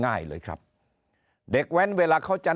นายกรัฐมนตรีพูดเรื่องการปราบเด็กแว่น